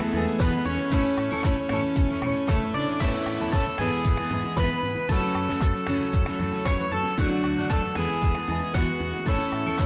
โปรดติดตามตอนต่อไป